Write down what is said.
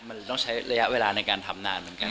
มันต้องใช้ระยะเวลาในการทำนานเหมือนกัน